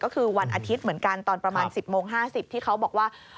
ก็คือวันอาทิตย์เหมือนกันตอนประมาณ๑๐โมง๕๐ที่เขาบอกว่า